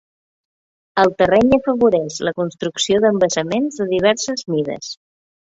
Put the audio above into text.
El terreny afavoreix la construcció d'embassaments de diverses mides.